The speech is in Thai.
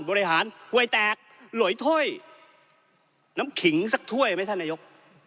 บริหารหวยแตกหลวยถ้วยน้ำขิงสักถ้วยไหมท่านนายก